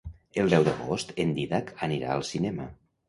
El deu d'agost en Dídac anirà al cinema.